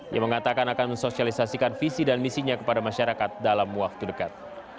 yang mengatakan akan mensosialisasikan visi dan misinya kepada masyarakat dalam waktu dekat